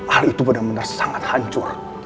hal itu benar benar sangat hancur